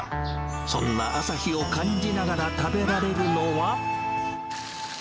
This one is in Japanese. そんな朝日を感じながら食べられるのは。